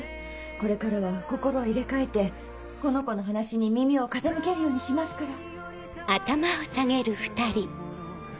これからは心を入れ替えてこの子の話に耳を傾けるようにしますから。